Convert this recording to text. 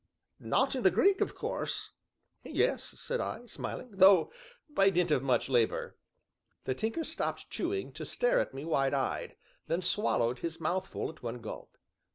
"Not in the Greek, of course." "Yes," said I, smiling, "though by dint of much labor." The Tinker stopped chewing to stare at me wide eyed, then swallowed his mouthful at one gulp.